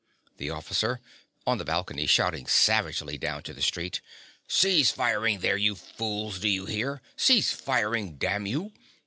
_) THE OFFICER. (on the balcony, shouting savagely down to the street). Cease firing there, you fools: do you hear? Cease firing, damn you.